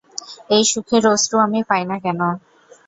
এই সুখের অশ্রু আমি পাই না কেন।